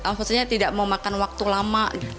maksudnya tidak mau makan waktu lama